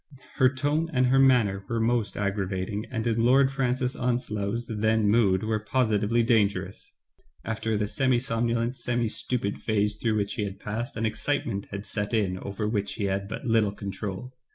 Her tone and her manner were most aggravating, and in Lord Francis Onslow's then mood were positively dangerous. After the semi somnolent, semi stupid phase through which he had passed, an excitement had set in over which he had but little control.